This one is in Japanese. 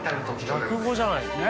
落語じゃないですか。